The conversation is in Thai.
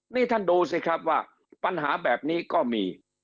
นี่ท่านดูสิครับว่าปัญหาแบบนี้ก็มี